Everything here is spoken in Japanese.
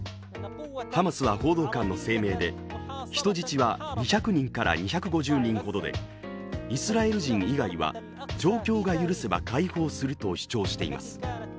ハマスは報道官の声明で、人質は２００人から２５０人ほどでイスラエル人以外は状況が許せば解放すると主張しています。